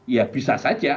ya bisa saja